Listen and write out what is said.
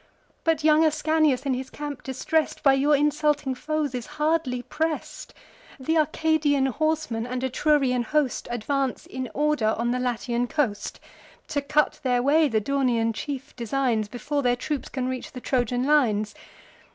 But young Ascanius, in his camp distress'd, By your insulting foes is hardly press'd. Th' Arcadian horsemen, and Etrurian host, Advance in order on the Latian coast: To cut their way the Daunian chief designs, Before their troops can reach the Trojan lines.